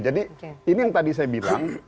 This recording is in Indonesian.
jadi ini yang tadi saya bilang